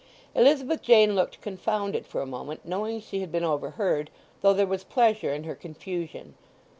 Elizabeth Jane looked confounded for a moment, knowing she had been overheard, though there was pleasure in her confusion.